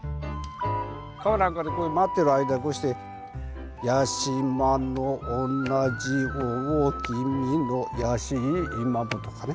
川なんかでこういうふうに待ってる間こうして八洲の同じ大君の八洲もとかね。